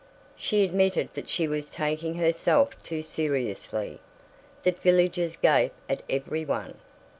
She admitted that she was taking herself too seriously; that villagers gape at every one.